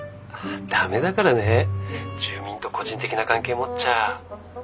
ダメだからね住民と個人的な関係持っちゃ。